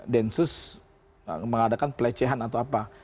densus mengadakan pelecehan atau apa